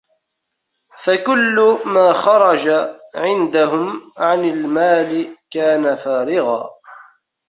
فَكُلُّ مَا خَرَجَ عِنْدَهُمْ عَنْ الْمَالِ كَانَ فَارِغًا